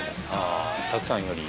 あたくさんより？